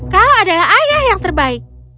kau adalah ayah yang terbaik